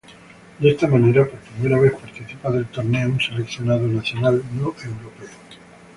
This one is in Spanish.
De esta manera, por primera vez participa del torneo un seleccionado nacional no europeo.